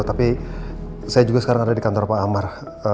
tapi saya juga sekarang ada di kantor pak amar